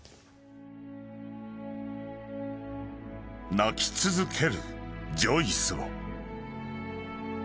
［泣き続けるジョイスを］